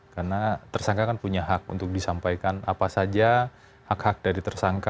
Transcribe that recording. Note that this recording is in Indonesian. karena tersangka kan punya hak untuk disampaikan apa saja hak hak dari tersangka